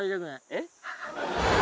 えっ？